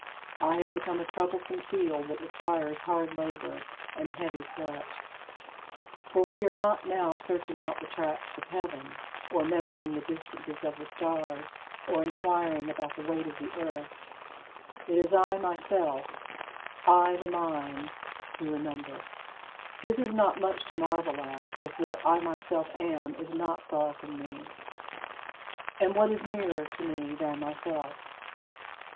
I have become a troublesome field that requires hard labor and heavy sweat. For we are not now searching out the tracts of heaven, or measuring the distances of the stars or inquiring about the weight of the earth. It is I myself I, the mind who remember. This is not much to marvel at, if what I myself am is not far from me. And what is nearer to me than myself?